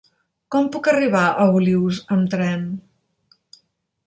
Com puc arribar a Olius amb tren?